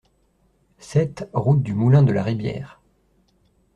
sept route du Moulin de la Ribière